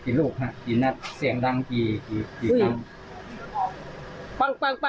อีกแล้ว